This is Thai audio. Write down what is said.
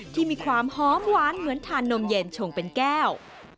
ที่มีความหอมหวานเหมือนทานนมเย็นชงเป็นแก้ว